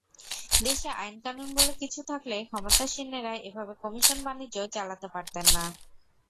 দেশে আইনকানুন বলে কিছু থাকলে ক্ষমতাসীনেরা এভাবে কমিশন–বাণিজ্য চালাতে পারতেন না।